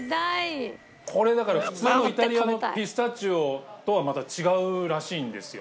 これだから普通のイタリアのピスタチオとはまた違うらしいんですよ。